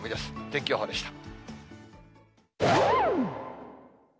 天気予報でした。